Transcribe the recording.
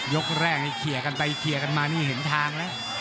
ยกแรกเขียกกันไปเขียกกันมานี่เห็นทางแล้ว